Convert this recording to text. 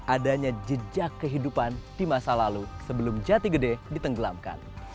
adanya jejak kehidupan di masa lalu sebelum jatigede ditenggelamkan